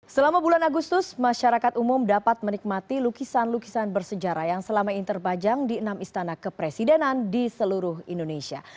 selama bulan agustus masyarakat umum dapat menikmati lukisan lukisan bersejarah yang selama ini terbajang di enam istana kepresidenan di seluruh indonesia